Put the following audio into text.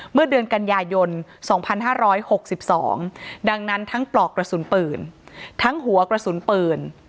เมื่อเดือนกันยายน๒๕๖๒ดังนั้นทั้งปลอกกระสุนปืนทั้งหัวกระสุนปืน